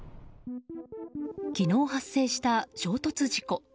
昨日発生した衝突事故。